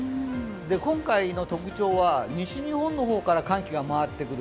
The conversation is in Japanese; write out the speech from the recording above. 今回の特徴は西日本の方から寒気が回ってくる、